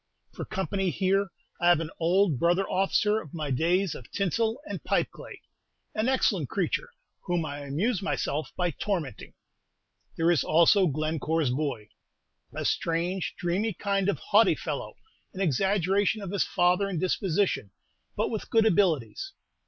For company here I have an old brother officer of my days of tinsel and pipe clay, an excellent creature, whom I amuse myself by tormenting. There is also Glencore's boy, a strange, dreamy kind of haughty fellow, an exaggeration of his father in disposition, but with good abilities.